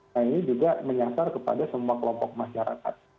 nah ini juga menyasar kepada semua kelompok masyarakat